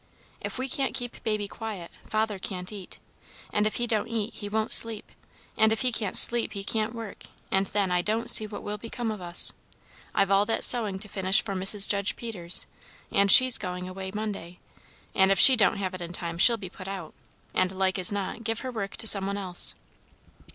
If we can't keep Baby quiet, father can't eat, and if he don't eat he won't sleep, and if he can't sleep he can't work, and then I don't see what will become of us. I've all that sewing to finish for Mrs. Judge Peters, and she's going away Monday; and if she don't have it in time, she'll be put out, and, as like as not, give her work to some one else.